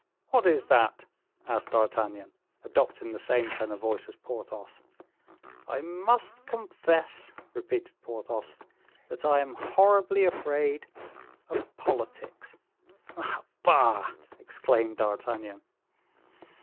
"What is that?" asked D'Artagnan, adopting the same tone of voice as Porthos. "I must confess," repeated Porthos, "that I am horribly afraid of politics." "Ah, bah!" exclaimed D'Artagnan.